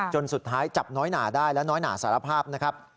จนสุดท้ายจับน้อยหนาได้และน้อยหนาสารภาพนะครับ